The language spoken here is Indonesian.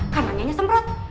karena nyanya semprot